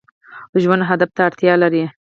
ژوند هدف ته اړتیا لري